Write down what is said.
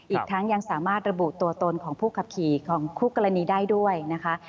อีกทั้งยังสามารถระบุตัวตนของผู้ขับขี่ของคู่กรณีได้ด้วยนะคะ